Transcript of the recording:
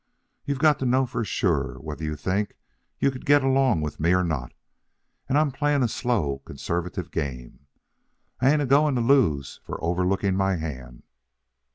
You've got to know for sure whether you think you could get along with me or not, and I'm playing a slow conservative game. I ain't a going to lose for overlooking my hand."